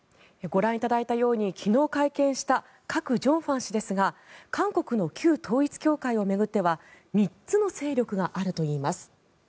ご覧いただいたように昨日会見したカク・ジョンファン氏ですが韓国の旧統一教会を巡っては３つの勢力があるといいます。